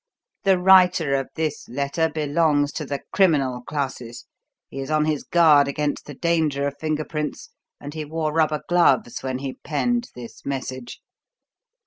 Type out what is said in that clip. The writer of this letter belongs to the criminal classes; he is on his guard against the danger of finger prints, and he wore rubber gloves when he penned this message.